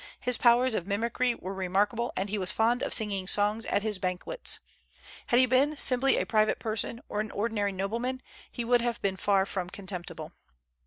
His powers of mimicry were remarkable, and he was fond of singing songs at his banquets. Had he been simply a private person or an ordinary nobleman, he would have been far from contemptible.